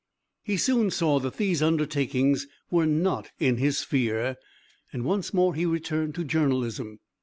He soon saw that these undertakings were not in his sphere, and once more he returned to journalism.